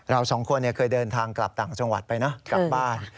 เราสองคนเคยเดินทางกลับต่างจังหวัดไปนะกลับบ้าน